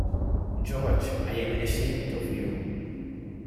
George, I am ashamed of you!